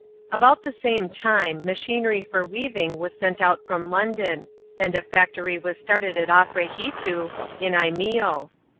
About the same time, machinery for weaving was sent oat from London; [and a factory was started at Afrehitoo, in Imeeo.